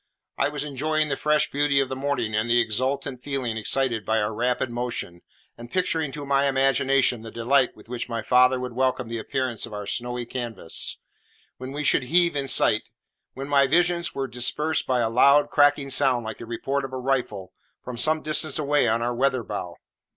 I was enjoying the fresh beauty of the morning and the exultant feeling excited by our rapid motion, and picturing to my imagination the delight with which my father would welcome the appearance of our snowy canvas when we should heave in sight when my visions were dispersed by a loud, cracking sound like the report of a rifle, from some distance away on our weatherbow.